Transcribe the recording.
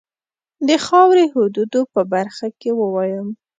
د خاوري حدودو په برخه کې ووایم.